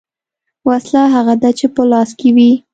ـ وسله هغه ده چې په لاس کې وي .